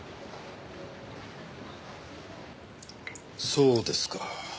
そうですか。